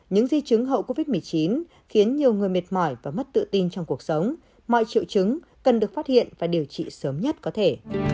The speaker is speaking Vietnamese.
những di chứng hậu covid một mươi chín khiến nhiều người mệt mỏi và mất tự tin trong cuộc sống mọi triệu chứng cần được phát hiện và điều trị sớm nhất có thể